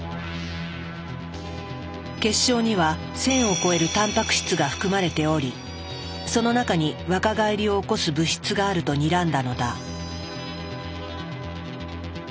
血しょうには１，０００を超えるたんぱく質が含まれておりその中に若返りを起こす物質があるとにらんだのだ。